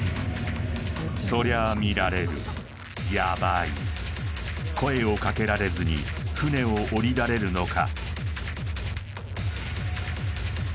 そりゃあ見られるヤバい声をかけられずに船を降りられるのか？